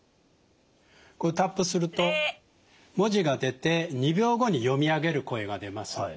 こうタップすると文字が出て２秒後に読み上げる声が出ます。